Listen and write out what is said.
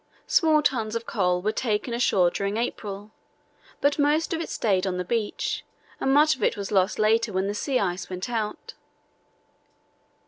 Some tons of coal were taken ashore during April, but most of it stayed on the beach, and much of it was lost later when the sea ice went out.